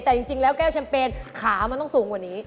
แต่จริงแล้วแก้วแชมเปญขามันต้องสูงกว่านี้